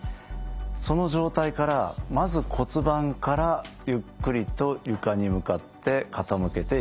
その状態からまず骨盤からゆっくりと床に向かって傾けていきます。